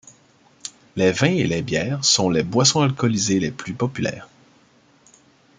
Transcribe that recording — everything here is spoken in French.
Les vins et les bières sont les boissons alcoolisées les plus populaires.